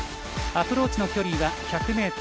アプローチの距離は１００ｍ。